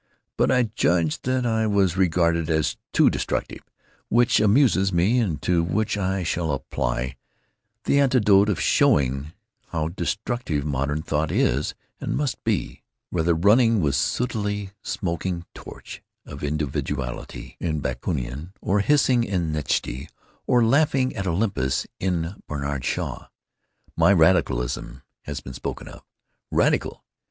But I judge that I was regarded as too destructive, which amuses me, and to which I shall apply the antidote of showing how destructive modern thought is and must be—whether running with sootily smoking torch of individuality in Bakunin, or hissing in Nietzsche, or laughing at Olympus in Bernard Shaw. My 'radicalism' has been spoken of. Radical!